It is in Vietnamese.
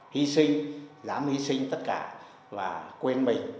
hy sinh dám hy sinh tất cả và quên mình